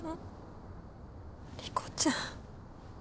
理子ちゃん。